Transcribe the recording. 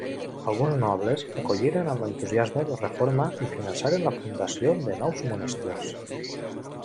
Alguns nobles acolliren amb entusiasme la reforma i finançaren la fundació de nous monestirs.